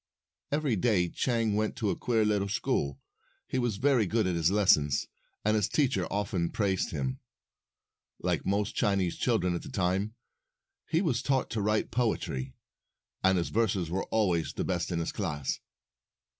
Every day Chang went to a queer little school. He was very good at his lessons, and his teacher often praised him. Like most Chinese children at that time, he was taught to write poetry, and his verses were always the best in his class.